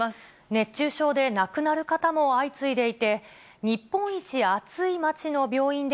熱中症で亡くなる方も相次います。